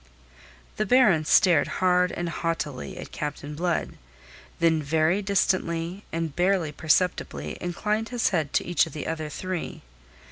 The Baron stared hard and haughtily at Captain Blood, then very distantly and barely perceptibly inclined his head to each of the other three.